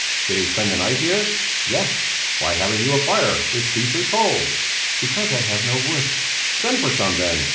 "Did he spend the night here?" "Yes." "Why haven't you a fire? It's beastly cold." "Because I have no wood." "Send for some then!